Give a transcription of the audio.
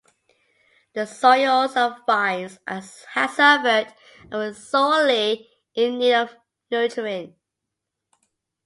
The soils and vines had suffered and were sorely in need of nurturing.